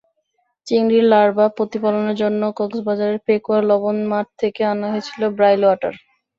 চিংড়ির লার্ভা প্রতিপালনের জন্য কক্সবাজারের পেকুয়ার লবণ মাঠ থেকে আনা হয়েছিল ব্রাইল ওয়াটার।